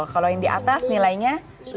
kalau yang di atas nilainya